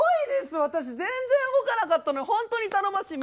私全然動かなかったのにほんとに頼もしい。